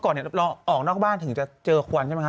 แต่เมื่อก่อนเราออกนอกบ้านถึงจะเจอขวัญใช่ไหมครับ